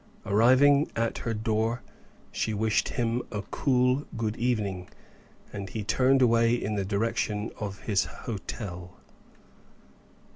Arriving at her own door, she wished him a cool good evening, and he turned away in the direction of his hotel.